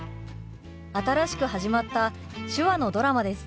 新しく始まった手話のドラマです。